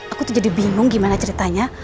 aku tuh jadi bingung gimana ceritanya